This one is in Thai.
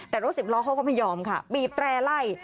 แต่รถสิบล้อเขาก็ไม่ยอมค่ะบีบแตร่ไล่